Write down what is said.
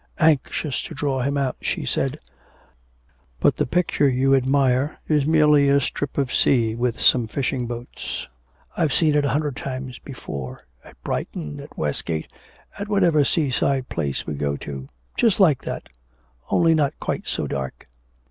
Anxious to draw him out, she said: 'But the picture you admire is merely a strip of sea with some fishing boats. I've seen it a hundred times before at Brighton, at Westgate, at whatever seaside place we go to, just like that, only not quite so dark.'